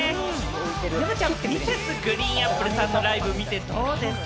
山ちゃん、Ｍｒｓ．ＧＲＥＥＮＡＰＰＬＥさんのライブ、見てどうですか？